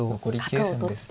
角を取って。